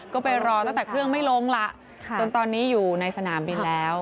ก็ไปรอตั้งแต่เครื่องไม่ลงล่ะจนตอนนี้อยู่ในสนามบินแล้ว